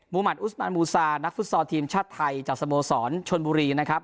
มัติอุสมันบูซานักฟุตซอลทีมชาติไทยจากสโมสรชนบุรีนะครับ